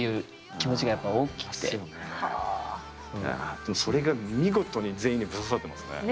でもそれが見事に全員にぶっ刺さってますね。ね！